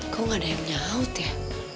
kok gak ada yang nyaut ya